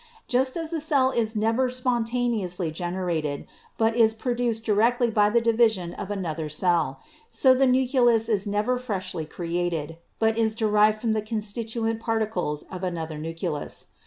Just as the cell is never spontaneously gen erated, but is produced directly by the division of another cell, so the nucleus is never freshly created, but is derived from the constituent particles of another nucleus.